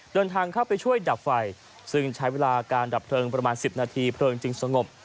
เดินทางเข้าไปช่วยดับไฟซึ่งใช้เวลาการดับเพลิงประมาณ๑๐นาทีเพลิงจึงสงบ